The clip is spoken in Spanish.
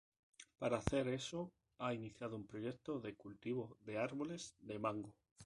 Para hacer eso ha iniciado un proyecto de cultivo de árboles de mango.